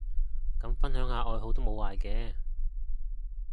咁分享下愛好都無壞嘅